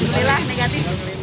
tapi alhamdulillah negatif